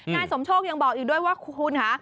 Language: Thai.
นายสมโชคยังบอกอีกด้วยว่าคุณค่ะ